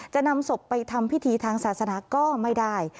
จะนำศพไปทำพิธีทางศาสนาก็ไม่ได้